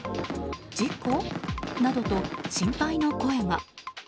事故？などと心配の声が。